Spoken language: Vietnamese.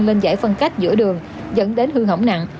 lên giải phân cách giữa đường dẫn đến hư hỏng nặng